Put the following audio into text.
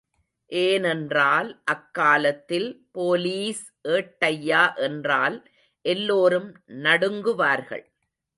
ஏனென்றால், அக்காலத்தில் போலீஸ் ஏட்டய்யா என்றால் எல்லோரும் நடுங்குவார்கள்.